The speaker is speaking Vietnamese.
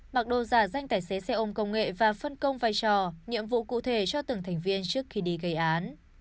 mặc đồ giả danh tài xế xe ôm công nghệ và phân công vai trò nhiệm vụ cụ thể cho từng thành viên trước khi đi gây án